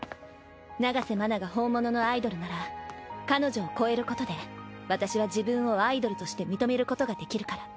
長瀬麻奈が本物のアイドルなら彼女を超えることで私は自分をアイドルとして認めることができるから。